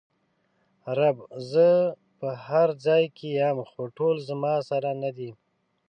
رب: زه په هر ځای کې ېم خو ټول زما سره ندي!